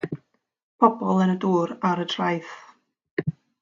Pobl yn y dŵr ar y traeth